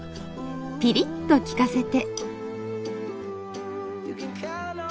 ピリッと利かせて。